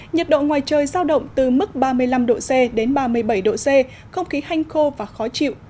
nhiệt độ ngoài trời giao động từ mức ba mươi năm độ c đến ba mươi bảy độ c không khí hanh khô và khó chịu